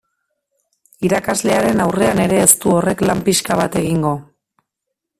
Irakaslearen aurrean ere ez du horrek lan pixka bat egingo.